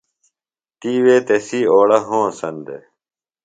تی وے تسی اوڑہ ہونسن دےۡ۔